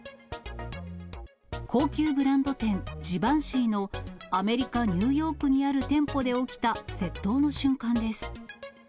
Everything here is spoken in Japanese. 高級ブランド店、ジバンシィのアメリカ・ニューヨークにある店舗で起きた窃盗の瞬間です。